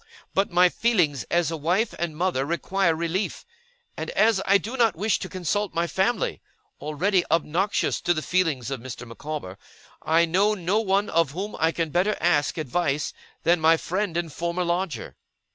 But my feelings as a wife and mother require relief; and as I do not wish to consult my family (already obnoxious to the feelings of Mr. Micawber), I know no one of whom I can better ask advice than my friend and former lodger.